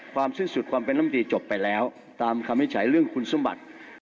สิ้นสุดความเป็นลำตีจบไปแล้วตามคำวิจัยเรื่องคุณสมบัติ